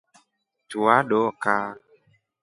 Tua doka.